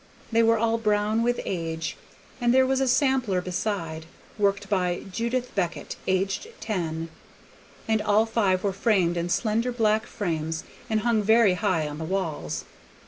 They were all brown with age; and there was a sampler beside, worked by "Judith Beckett, aged ten," and all five were framed in slender black frames and hung very high on the walls.